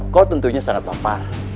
kau tentunya sangat papar